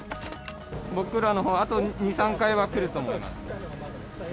僕らのほう、あと２、３回は来ると思います。